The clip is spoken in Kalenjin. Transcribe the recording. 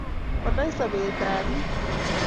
konai sobet tab biko